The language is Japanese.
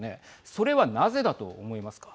それは、なぜだと思いますか。